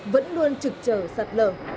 vẫn luôn trực trở sạt lở